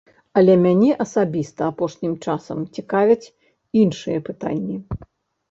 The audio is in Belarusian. Але мяне асабіста апошнім часам цікавяць іншыя пытанні.